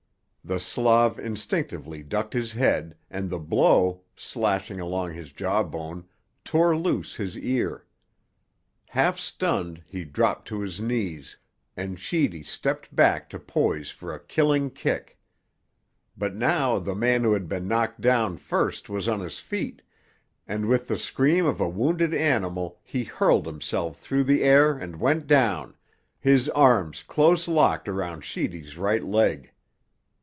The Slav instinctively ducked his head, and the blow, slashing along his jawbone, tore loose his ear. Half stunned, he dropped to his knees, and Sheedy stepped back to poise for a killing kick. But now the man who had been knocked down first was on his feet, and with the scream of a wounded animal he hurled himself through the air and went down, his arms close locked around Sheedy's right leg.